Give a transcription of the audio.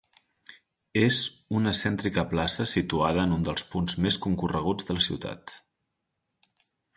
És una cèntrica plaça situada en un dels punts més concorreguts de la ciutat.